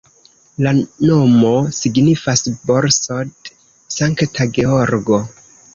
La nomo signifas Borsod-Sankta Georgo.